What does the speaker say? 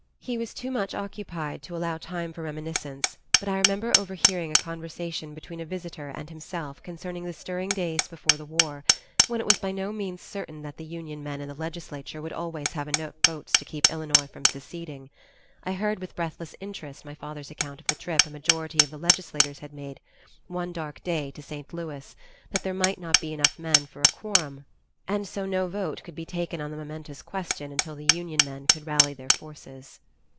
He was much too occupied to allow time for reminiscence, but I remember overhearing a conversation between a visitor and himself concerning the stirring days before the war, when it was by no means certain that the Union men in the legislature would always have enough votes to keep Illinois from seceding. I heard with breathless interest my father's account of the trip a majority of the legislators had made one dark day to St. Louis, that there might not be enough men for a quorum, and so no vote could be taken on the momentous question until the Union men could rally their forces.